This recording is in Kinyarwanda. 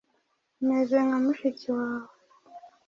Umeze nka mushiki wawe.